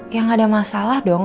ya gak ada masalah dong